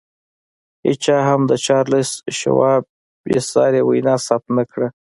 هېچا هم د چارلیس شواب بې ساري وینا ثبت نه کړه